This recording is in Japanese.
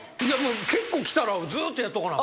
結構来たらずーっとやっとかなあ